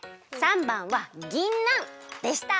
③ばんはぎんなんでした。